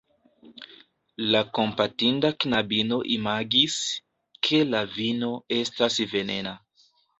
La kompatinda knabino imagis, ke la vino estas venena.